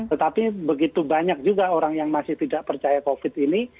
tetapi begitu banyak juga orang yang masih tidak percaya covid ini